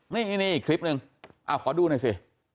นี่อีกคลิปนึงขอดูหน่อยสิ